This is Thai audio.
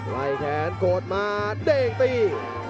ไว้แทนโกดมาเด้งตี